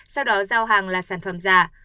sau đó giao hàng là sản phẩm giả